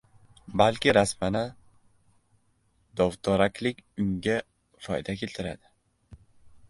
balki rasmana dovtoraklik unga foyda keltiradi.